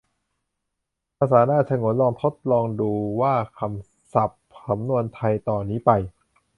ภาษาน่าฉงน : ลองทดลองดูว่า คำศัพท์ สำนวนไทยต่อนี้ไป